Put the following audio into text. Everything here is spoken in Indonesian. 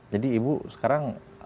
jadi ibu sekarang